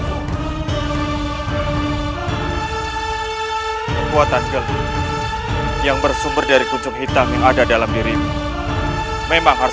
ada kekuatan gelap yang sangat luar biasa di dalam tubuhku